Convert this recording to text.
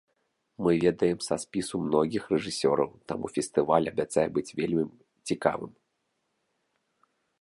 Мы ведаем са спісу многіх рэжысёраў, таму фестываль абяцае быць вельмі цікавым.